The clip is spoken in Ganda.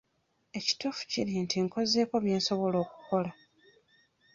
Ekituufu kiri nti nkozeeko bye nsobola okukola.